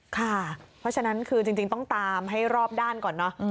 ค่ะเพราะฉะนั้นคือจริงต้องตามให้รอบด้านก่อนเนอะ